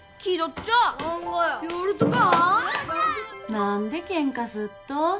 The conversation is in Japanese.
何でケンカすっと？